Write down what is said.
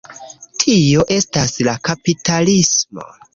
Tio estas la kapitalismo.